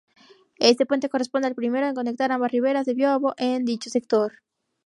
Este puente corresponde al primero en conectar ambas riveras del Biobío en dicho sector.